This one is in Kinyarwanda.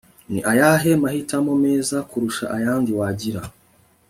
ni ayahe mahitamo meza kurusha ayandi wagira